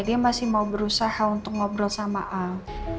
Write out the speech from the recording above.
dia masih mau berusaha untuk ngobrol sama al